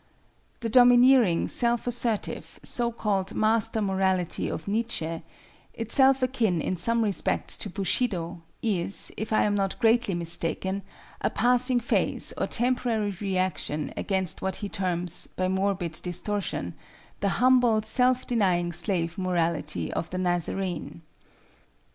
The domineering, self assertive, so called master morality of Nietzsche, itself akin in some respects to Bushido, is, if I am not greatly mistaken, a passing phase or temporary reaction against what he terms, by morbid distortion, the humble, self denying slave morality of the Nazarene.